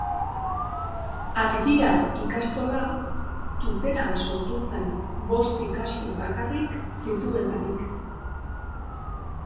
Argia ikastola, Tuteran sortu zen bost ikasle bakarrik zituelarik.